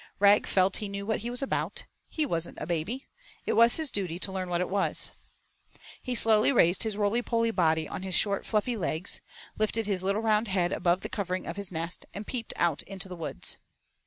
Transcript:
Rag felt he knew what he was about; he wasn't a baby; it was his duty to learn what it was. He slowly raised his rolypoly body on his short fluffy legs, lifted his little round head above the covering of his nest and peeped out into the woods.